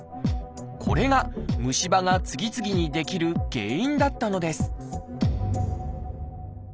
これが虫歯が次々に出来る原因だったのです